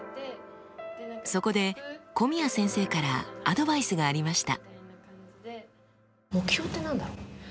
そこで古宮先生からアドバイスがありました。